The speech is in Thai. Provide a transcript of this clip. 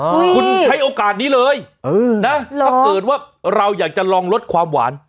คุณใช้โอกาสนี้เลยเออนะถ้าเกิดว่าเราอยากจะลองลดความหวาน